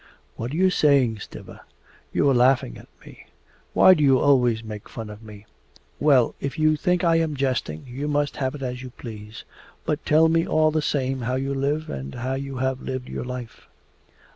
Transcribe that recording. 'What are you saying, Stiva? You are laughing at me. Why do you always make fun of me?' 'Well, if you think I am jesting you must have it as you please. But tell me all the same how you live, and how you have lived your life.